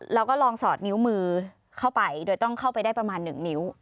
แล้วก็ลองสอดนิ้วมือเข้าไปโดยต้องเข้าไปได้ประมาณ๑นิ้ว